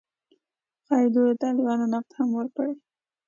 ښايي دوی د طالبانو نقد هم وکړي